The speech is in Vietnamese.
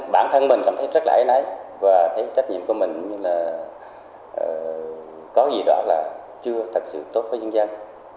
bản thân mình cảm thấy rất lãi lãi và thấy trách nhiệm của mình có gì đoán là chưa thật sự tốt với dân dân